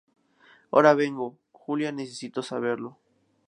ahora vengo. Julia, necesito saberlo.